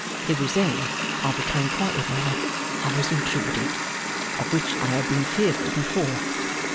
It was then I became quite aware I was intruding: of which I had been fearful before.